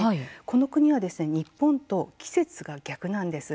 この国は日本と季節が逆なんです。